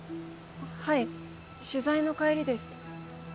はい取材の帰りです